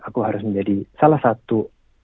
aku harus menjadi salah satu